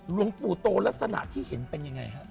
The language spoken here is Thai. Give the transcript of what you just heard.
หลวงปู่โตลักษณะที่เห็นเป็นยังไงฮะ